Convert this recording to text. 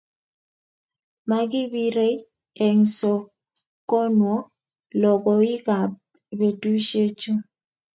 Makibirei eng' sokonwo lagoikab betusiechu